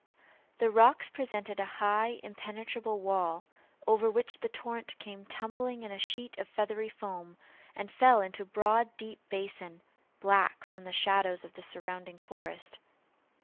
The rocks presented a high impenetrable wall, over which the torrent came tumbling in a sheet of feathery foam, and fell into a broad deep basin, black from the shadows of the surrounding forest.